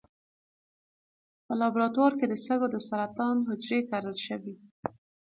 په لابراتوار کې د سږو د سرطان حجرې کرل شوي.